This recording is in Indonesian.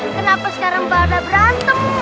kenapa sekarang pada berantem